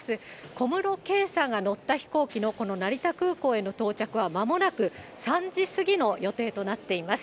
小室圭さんが乗った飛行機の、この成田空港への到着は、まもなく３時過ぎの予定となっています。